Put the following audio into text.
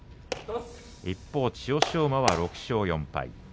一方、千代翔馬は６勝４敗。